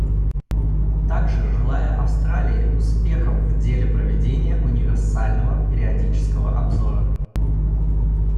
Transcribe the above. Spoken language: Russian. Также желаю Австралии успехов в деле проведения универсального периодического обзора.